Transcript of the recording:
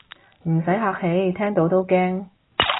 唔使客氣，聽到都驚